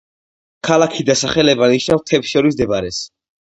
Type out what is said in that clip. ქალაქის დასახელება ნიშნავს მთებს შორის მდებარეს.